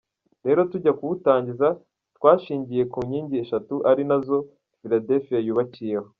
Rero tujya kuwutangiza twashingiye ku nkingi eshatu ari nazo Fiiladelphia yubakiyeho.